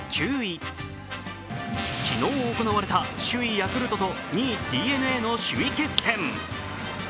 昨日行われた首位・ヤクルトと２位・ＤｅＮＡの首位決戦。